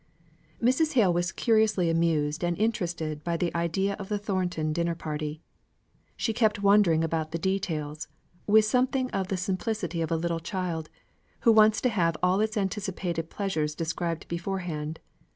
Mrs. Hale was curiously amused and interested by the idea of the Thornton dinner party. She kept wondering about the details, with something of the simplicity of a little child, who wants to have all its anticipated pleasure described beforehand.